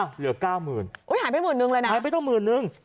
เหลือเก้าหมื่นอุ้ยหายไปหมื่นนึงเลยนะหายไปต้องหมื่นนึง